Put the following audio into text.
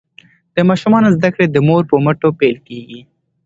د ماشومانو زده کړې د مور په مټو پیل کیږي.